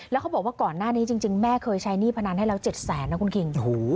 แล้วเขาบอกว่าก่อนหน้านี้จริงแม่เคยใช้หนี้พนันให้แล้ว๗แสนนะคุณคิง